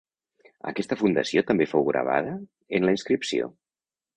Aquesta fundació també fou gravada en la inscripció.